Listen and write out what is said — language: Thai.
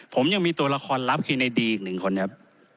ผมยังมีตัวละครลับคือในดีอีกหนึ่งคนครับ